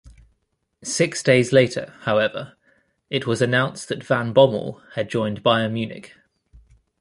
Six days later, however, it was announced that Van Bommel had joined Bayern Munich.